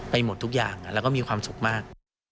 หมดทุกอย่างแล้วก็มีความสุขมาก